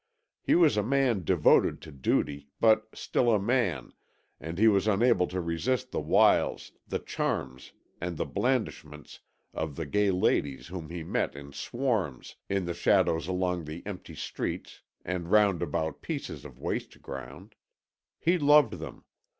He was a man devoted to duty, but still a man, and he was unable to resist the wiles, the charms, and the blandishments of the gay ladies whom he met in swarms in the shadows along the empty streets and round about pieces of waste ground; he loved them.